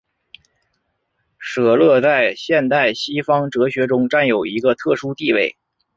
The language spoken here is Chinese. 舍勒在现代西方哲学中占有一个特殊地位。